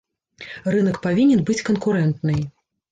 Рынак павінен быць канкурэнтнай.